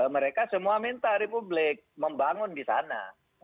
mereka semua minta republik membangun di sana